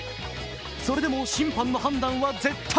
それでも審判の判断は絶対！